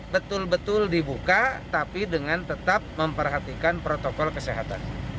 betul betul dibuka tapi dengan tetap memperhatikan protokol kesehatan